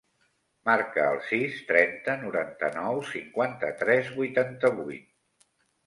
Marca el sis, trenta, noranta-nou, cinquanta-tres, vuitanta-vuit.